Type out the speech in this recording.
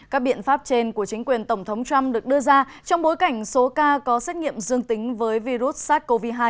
các biện pháp trên của chính quyền tổng thống trump được đưa ra trong bối cảnh số ca có xét nghiệm dương tính với virus sars cov hai